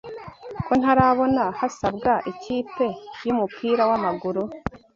ko ntarabona hasabwa ikipe y'umupira w'amaguru